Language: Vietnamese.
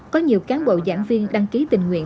có nhiều cán bộ giảng viên đăng ký tình nguyện